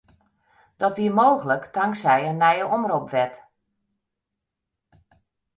Dat wie mooglik tanksij in nije omropwet.